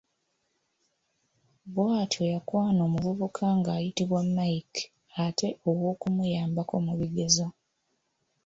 Bw’atyo yakwana omuvubuka ng’ayitibwa Mike ate ow’okumuyambako mu bigezo.